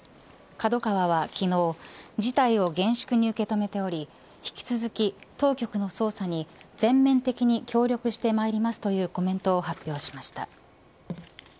ＫＡＤＯＫＡＷＡは昨日事態を厳粛に受け止めており引き続き、当局の捜査に全面的に協力してまいりますというコメントを発表しました。